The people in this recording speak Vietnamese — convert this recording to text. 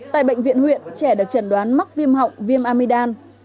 tại bệnh viện huyện trẻ được chẩn đoán mắc viêm họng viêm amidam